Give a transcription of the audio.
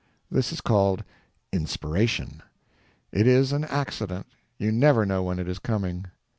This is called inspiration. It is an accident; you never know when it is coming.